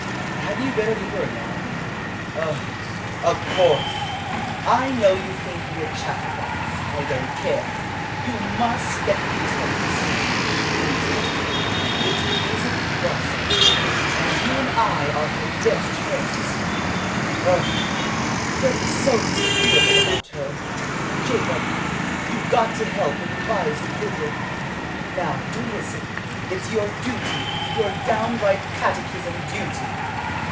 Hadn't you better leave her alone?" "Oh, of course, I know you think me a chatterbox. I don't care. You must let me tell you some fresh news about her. It isn't gossip, and you and I are her best friends. Oh, Freddie's so disagreeable about her. Jacob, you've got to help and advise a little. Now, do listen. It's your duty your downright catechism duty."